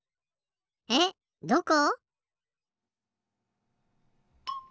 えっどこ？